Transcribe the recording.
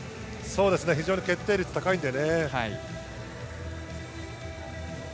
非常に決定率が高いのでね。